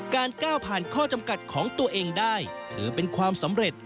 ก้าวผ่านข้อจำกัดของตัวเองได้ถือเป็นความสำเร็จ